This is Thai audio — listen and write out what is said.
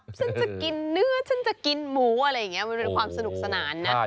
ฉันจะกินเนื้อฉันจะกินหมูอะไรอย่างนี้มันเป็นความสนุกสนานนะ